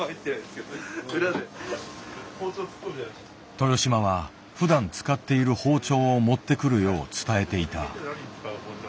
豊島はふだん使っている包丁を持ってくるよう伝えていた。